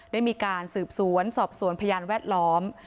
ได้มีการสืบสวนสอบสวนพยานแวดล้อม